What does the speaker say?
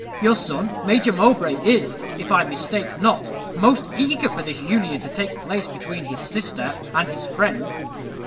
Your son, Major Mowbray, is, if I mistake not, most eager for this union to take place between his sister and his friend."